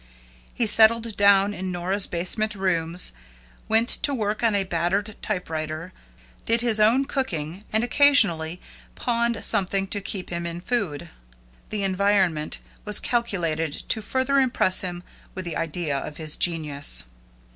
He settled down in Nora's basement rooms, went to work on a battered type writer, did his own cooking, and occasionally pawned something to keep him in food. The environment was calculated to further impress him with the idea of his genius.